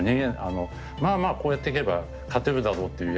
まあまあこうやっていけば勝てるだろうっていうやり方じゃあ